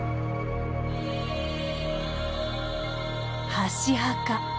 箸墓。